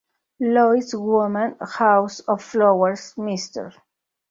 Louis Woman", "House of Flowers", "Mr.